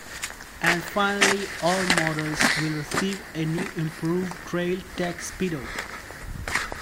And finally all models will receive a new improved Trail Tech speedo.